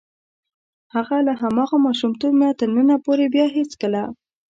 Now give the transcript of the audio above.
هغه له هماغه ماشومتوب نه تر ننه پورې بیا هېڅکله.